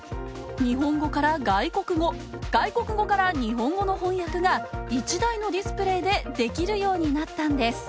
日本語から外国語、外国語から日本語の翻訳が一台のディスプレイでできるようになったんです。